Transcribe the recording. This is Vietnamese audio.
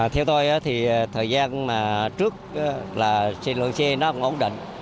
theo tôi thì thời gian trước là xe lượng xe nó ổn định